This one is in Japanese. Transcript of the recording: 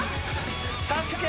「ＳＡＳＵＫＥ」